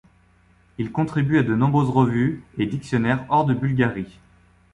Il contribue à de nombreuses revues et dictionnaires hors de Bulgarie.